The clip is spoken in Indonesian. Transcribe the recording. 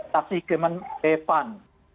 masih kemen pan